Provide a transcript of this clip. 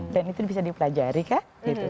dan itu bisa dipelajari kan